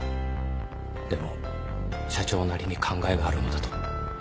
でも社長なりに考えがあるのだと